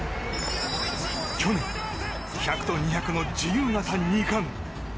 去年、１００と２００の自由形２冠。